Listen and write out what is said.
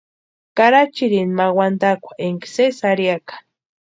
Karachirini ma wantakwa énka sési arhiaka.